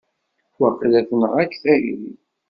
Waqila tenɣa-k tayri!